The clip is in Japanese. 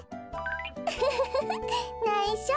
ウフフフフないしょ。